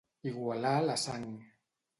Igualar la sang.